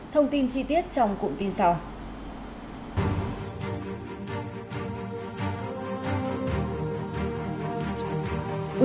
thông tin chi tiết trong cụm tin sau